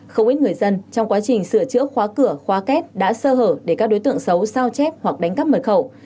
không ít người dân trong quá trình sửa chữa khóa cửa khóa két đã sơ hở để các đối tượng xấu sao chép hoặc đánh cắp mật khẩu